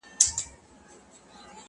نه جوړ کړی کفن کښ پر چا ماتم وو!!